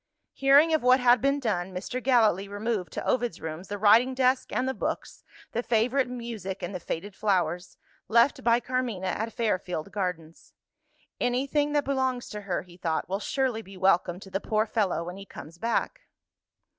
Hearing of what had been done, Mr. Gallilee removed to Ovid's rooms the writing desk and the books, the favourite music and the faded flowers, left by Carmina at Fairfield Gardens. "Anything that belongs to her," he thought, "will surely be welcome to the poor fellow when he comes back."